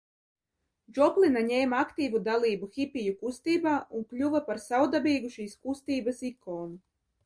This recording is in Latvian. Džoplina ņēma aktīvu dalību hipiju kustībā un kļuva par savdabīgu šīs kustības ikonu.